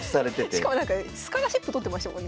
しかもなんかスカラーシップとってましたもんね